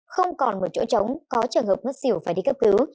không còn một chỗ trống có trường hợp ngất xỉu phải đi cấp cứu